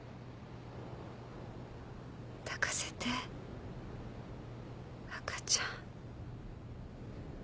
抱かせて赤ちゃん。